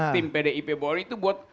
tim pdip polri itu buat